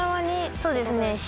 そうですね。